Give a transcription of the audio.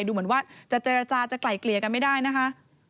ดูเหมือนว่าจะเจรจาจะไกล่เกลี่ยกันไม่ได้นะคะ